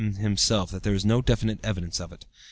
M. himself that there is no definite evidence of it.